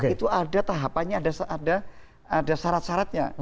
itu ada tahapannya ada syarat syaratnya